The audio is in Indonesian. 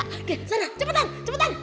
oke sana cepetan cepetan